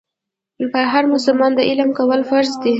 پر هر مسلمان د علم کول فرض دي.